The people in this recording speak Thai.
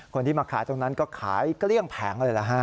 คนที่มาขายตรงนั้นก็ขายเกลี้ยงแผงเลยล่ะฮะ